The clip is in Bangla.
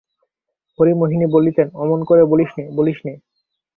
হরিমোহিনী বলিতেন, অমন করে বলিস নে, বলিস নে।